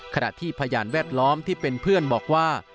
ขณะที่พยานแวดล้อมที่เป็นเพื่อนบอกว่า